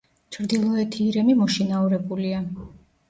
ჩრდილოეთი ირემი მოშინაურებულია.